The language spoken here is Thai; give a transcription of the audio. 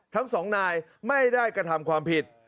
ทั้งสองนายไม่ได้กระทำความผิด